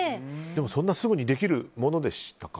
でもそんなすぐにできるものでしたか？